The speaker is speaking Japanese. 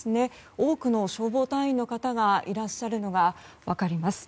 多くの消防隊員の方がいらっしゃるのが分かります。